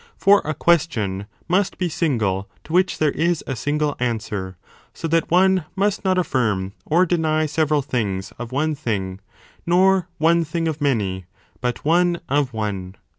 For a question must be single to which there is a single answer, so that one must not affirm or deny several things of one thing, nor one thing of many, but one of one.